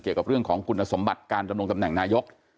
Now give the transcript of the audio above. เกี่ยวกับเรื่องของคุณสมบัติการดำรงตำแหน่งนายก